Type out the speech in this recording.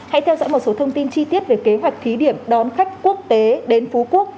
hãy theo dõi một số thông tin chi tiết về kế hoạch thí điểm đón khách quốc tế đến phú quốc